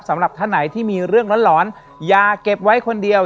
สำหรับท่านไหนที่มีเรื่องร้อนอย่าเก็บไว้คนเดียว